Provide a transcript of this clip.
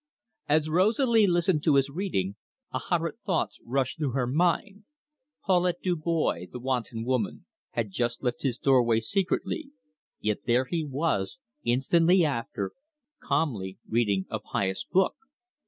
As Rosalie listened to his reading, a hundred thoughts rushed through her mind. Paulette Dubois, the wanton woman, had just left his doorway secretly, yet there he was, instantly after, calmly reading a pious book!